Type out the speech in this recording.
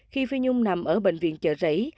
khi phi nhung nằm ở bệnh viện chợ rẫy